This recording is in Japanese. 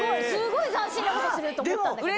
なことすると思ったんだけど。